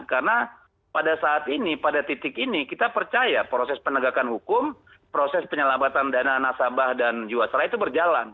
karena pada saat ini pada titik ini kita percaya proses penegakan hukum proses penyelamatan dana nasabah dan jiwasraya itu berjalan